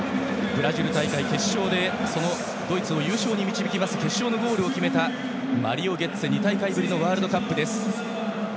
ブラジル大会決勝でドイツを優勝に導く決勝のゴールを決めたマリオ・ゲッツェが２大会ぶりのワールドカップ。